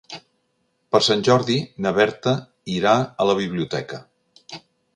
Per Sant Jordi na Berta irà a la biblioteca.